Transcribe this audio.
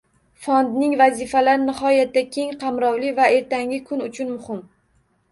Fondning vazifalari nihoyatda keng qamrovli va ertangi kun uchun muhim.